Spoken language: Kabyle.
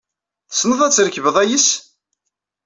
Tessneḍ ad trekbeḍ ayis?